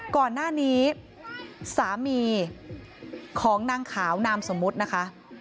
ก่อนหน้านี้สามีของนางขาวนามสมมุตินะคะ